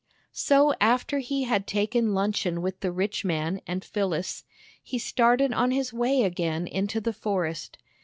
So after he had taken luncheon with the rich man and Phyllis, he started on his way again into the forest.